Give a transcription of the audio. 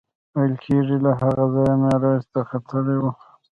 ویل کېږي له هغه ځایه معراج ته ختلی و.